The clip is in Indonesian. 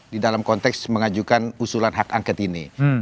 di dalam konteks mengajukan usulan hak angket ini